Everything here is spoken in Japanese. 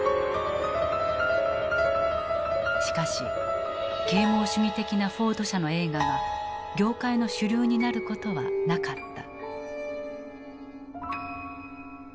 しかし啓蒙主義的なフォード社の映画が業界の主流になることはなかった。